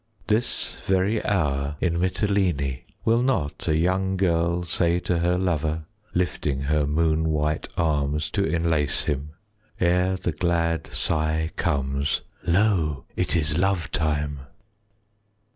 This very hour 25 In Mitylene, Will not a young girl Say to her lover, Lifting her moon white Arms to enlace him, 30 Ere the glad sigh comes, "Lo, it is lovetime!"